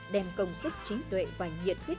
đem công sức chính tuệ và nhiệt huyết